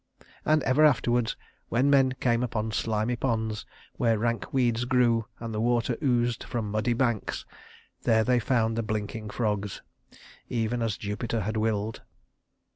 And ever afterward when men came upon slimy ponds, where rank weeds grew and the water oozed from muddy banks, there they found the blinking frogs even as Jupiter had willed.